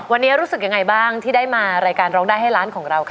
วันนี้รู้สึกยังไงบ้างที่ได้มารายการร้องได้ให้ร้านของเราค่ะ